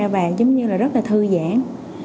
và giống như là rất là thư giãn